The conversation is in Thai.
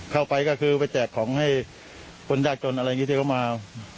เข้าไปก็คือไปแจกของให้คนยากจนอะไรอย่างนี้ที่เขามา